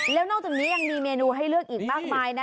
แล้วนอกจากนี้ยังมีเมนูให้เลือกอีกมากมายนะ